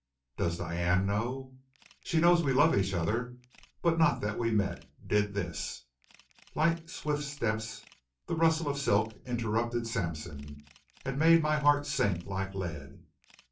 "Does Diane know?" "She knows we love each other, but not that we met did this " Light swift steps, the rustle of silk interrupted Sampson, and made my heart sink like lead.